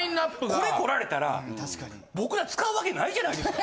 これこられたら僕ら使うわけないじゃないですか。